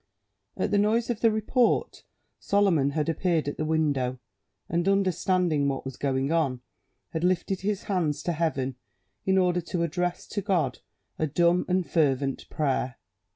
At the noise of the report Solomon had appeared at the window, and, understanding what was going on, had lifted his hands to heaven, in order to address to God a dumb and fervent prayer.